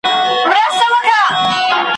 چي یې زده نه وي وهل د غلیمانو ,